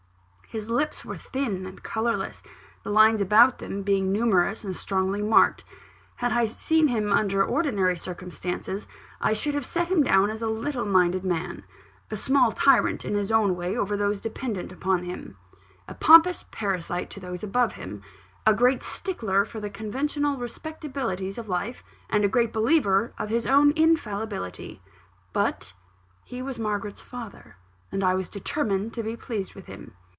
His lips were thin and colourless, the lines about them being numerous and strongly marked. Had I seen him under ordinary circumstances, I should have set him down as a little minded man; a small tyrant in his own way over those dependent on him; a pompous parasite to those above him a great stickler for the conventional respectabilities of life, and a great believer in his own infallibility. But he was Margaret's father; and I was determined to be pleased with him.